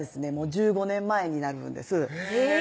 １５年前になるんですへぇ！